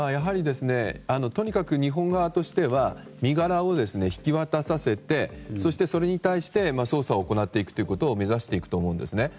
とにかく日本側としては身柄を引き渡させてそして、それに対して捜査を行っていくことを目指していくと思うんですね。